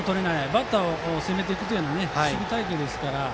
バッターを攻めていくという守備隊形ですから。